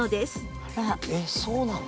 えっそうなの。